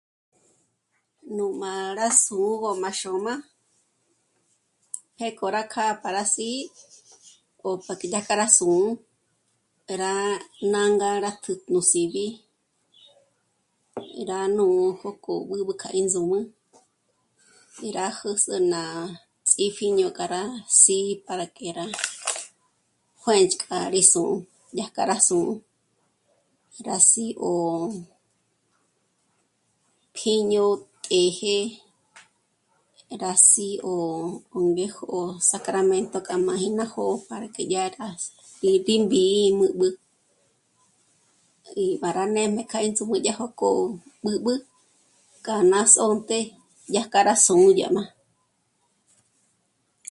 Nú mâ'a rá sǔ'ugö má xôm'a pjék'o rá kjâ'a pa rá sí'i o pa que dyàjkja rá sǔ'u. Rá nà ngâratjü nú síb'i, rá nǔ'ujo k'o b'ǚb'ü k'a ín ndzǔm'ü, rá jǚs'ü ná ts'íji ñó'o k'a rá sí'i para que rá juë́nch'k'a rí sǔ'u dyájk'a rá sǔ'u. Ra sí 'ò'o pjíño të́jë rá sí'i 'o, 'ó ngéjo Sacramento k'a máji ná jó'o para que dyákjaji b'ínbí'i b'ǘ, rí pâra nê'm'e k'a ín ndzǔm'ü dyá jó k'o b'ǚb'ü k'a ná s'ō̂te dyájkja rá sù'u dyá má